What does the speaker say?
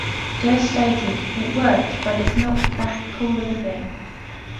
Durst stated, It worked, but it's not that cool of a thing.